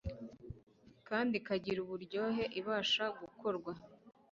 kandi ikagira uburyohe, ibasha gukorwa